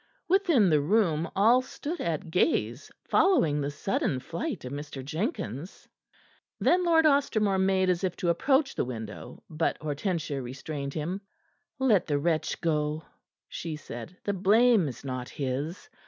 Within the room all stood at gaze, following the sudden flight of Mr. Jenkins. Then Lord Ostermore made as if to approach the winnow, but Hortensia restrained him. "Let the wretch go," she said. "The blame is not his.